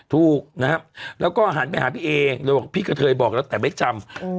ถูกนะครับแล้วก็หันไปหาพี่เอเลยบอกพี่กระเทยบอกแล้วแต่ไม่จำ